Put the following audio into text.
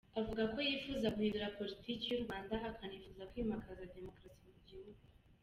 Avuga ko yifuza guhindura politiki y’u Rwanda akanifuza kwimakaza demokarasi mu gihugu.